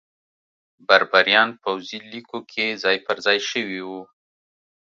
بربریان پوځي لیکو کې ځای پرځای شوي وو.